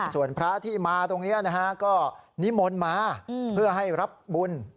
ส่วนพระที่มาตรงนี้นะฮะก็นิมนต์มาเพื่อให้รับบุญ